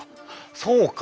そうか！